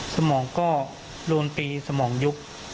สมองก็โดนตีสมองยุบ